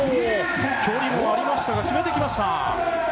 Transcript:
距離もありましたが決めてきました！